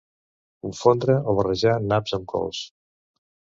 Confondre o barrejar naps amb cols.